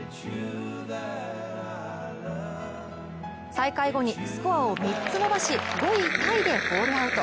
再開後にスコアを３つ伸ばし５位タイでホールアウト。